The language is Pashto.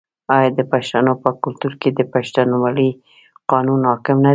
آیا د پښتنو په کلتور کې د پښتونولۍ قانون حاکم نه دی؟